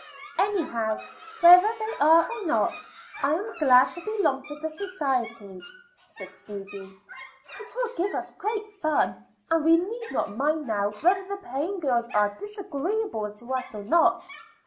"Anyhow, whether they are or not, I am glad to belong to the society," said Susy. "It will give us great fun, and we need not mind now whether the paying girls are disagreeable to us or not.